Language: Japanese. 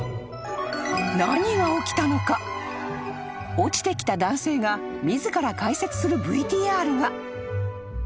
［落ちてきた男性が自ら解説するＶＴＲが］